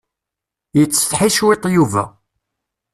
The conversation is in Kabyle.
Yettseḥi cwiṭ Yuba.